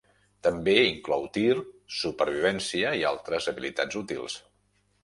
També inclou tir, supervivència i altres habilitats útils.